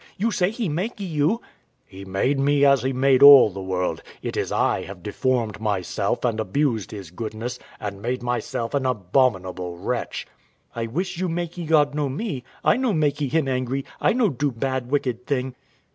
you say He makee you. W.A. He made me as He made all the world: it is I have deformed myself and abused His goodness, and made myself an abominable wretch. Wife. I wish you makee God know me. I no makee Him angry I no do bad wicked thing.